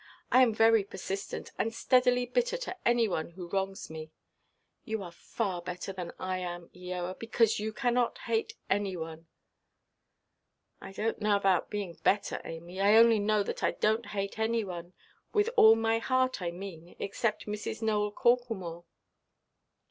I am very persistent, and steadily bitter to any one who wrongs me. You are far better than I am, Eoa; because you cannot hate any one." "I donʼt know about being better, Amy; I only know that I donʼt hate any one—with all my heart I mean—except Mrs. Nowell Corklemore."